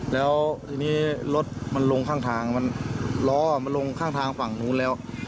แล้วทีนี้รถมันลงข้างทางมันล้อมันลงข้างทางฝั่งนู้นแล้ว